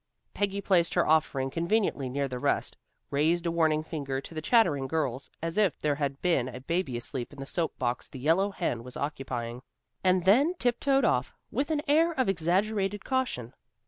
Peggy placed her offering conveniently near the nest, raised a warning finger to the chattering girls, as if there had been a baby asleep in the soap box the yellow hen was occupying, and then tiptoed off, with an air of exaggerated caution.